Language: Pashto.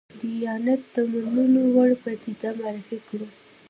دیانت د منلو وړ پدیده معرفي کړو.